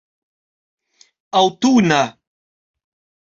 aŭtuna